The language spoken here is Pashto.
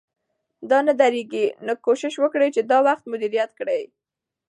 دا نه درېږي، نو کوشش وکړئ چې دا وخت مدیریت کړئ